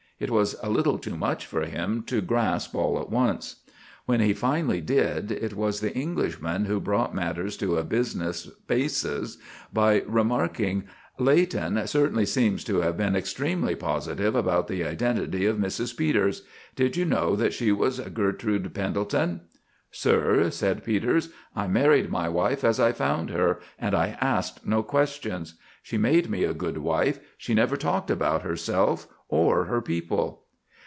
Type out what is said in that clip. It was a little too much for him to grasp all at once. When he finally did, it was the Englishman who brought matters to a business basis by remarking: "Leighton certainly seems to have been extremely positive about the identity of Mrs. Peters. Did you know that she was Gertrude Pendelton?" "Sir," said Peters, "I married my wife as I found her, and I asked no questions. She made me a good wife. She never talked about herself or her people."